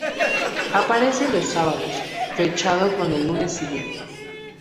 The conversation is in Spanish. Aparece los sábados, fechado con el lunes siguiente.